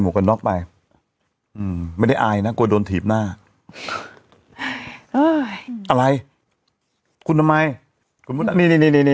หัวหน้าไปไม่ได้อายน่ากลรถีบหน้าอะไรคุณทำไมให้มาสระ